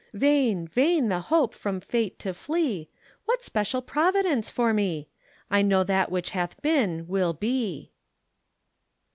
Vain, vain the hope from Fate to flee, What special Providence for me? I know that what hath been will be.